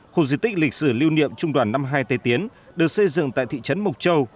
khu di tích lịch sử lưu niệm trung đoàn năm mươi hai tây tiến được xây dựng tại thị trấn mộc châu